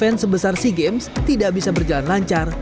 event sebesar sea games tidak bisa berjalan lancar